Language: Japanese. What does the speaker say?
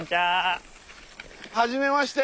はじめまして。